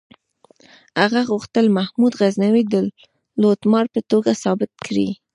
هغه غوښتل محمود غزنوي د لوټمار په توګه ثابت کړي.